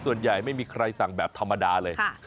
ส่วนใหญ่ไม่มีใครสั่งแบบธรรมดาเลย